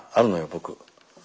僕。